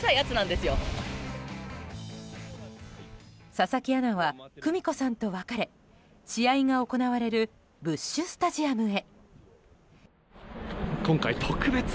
佐々木アナは久美子さんと別れ試合が行われるブッシュ・スタジアムへ。